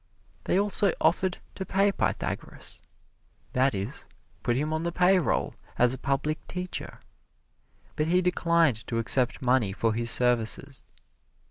They also offered to pay Pythagoras that is, put him on the payroll as a public teacher but he declined to accept money for his services.